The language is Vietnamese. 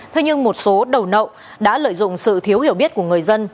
thế nhưng một số đầu nậu đã lợi dụng sự thiếu hiểu biết của người dân